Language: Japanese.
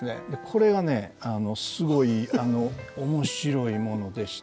これがねすごい面白いものでして。